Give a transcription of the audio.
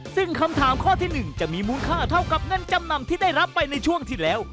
ซึ่งคำถามข้อที่๑จะมีมูลค่าเท่ากับเงินจำนำที่ได้รับไปในช่วงที่แล้ว